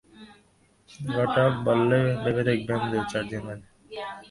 ঘটক বললে, ভেবে দেখবেন, দু-চারদিন বাদে আর-একবার আসব।